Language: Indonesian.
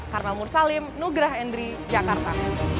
karmel mursalim nugrah endri jakarta